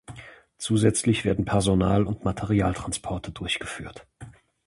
Zusätzlich werden Personal- und Materialtransporte durchgeführt.